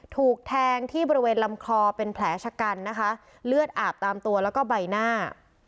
ถูกแทงที่บริเวณลำคอเป็นแผลชะกันนะคะเลือดอาบตามตัวแล้วก็ใบหน้า